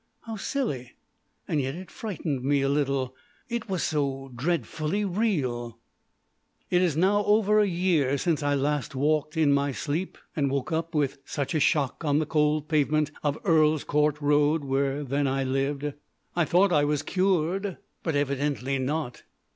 How silly, and yet it frightened me a little. It was so dreadfully real. It is now over a year since I last walked in my sleep and woke up with such a shock on the cold pavement of Earl's Court Road, where I then lived. I thought I was cured, but evidently not.